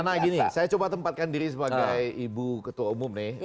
nah gini saya coba tempatkan diri sebagai ibu ketua umum nih